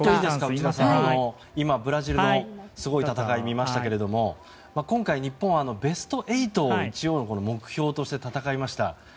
内田さん、今ブラジルのすごい戦い見ましたけど今回日本はベスト８を目標として戦いました。